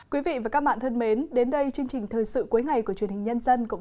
quý vị và các bạn thân mến đến đây chương trình thời sự cuối ngày của truyền hình nhân dân